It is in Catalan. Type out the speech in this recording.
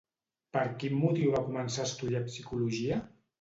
Per quin motiu va començar a estudiar psicologia?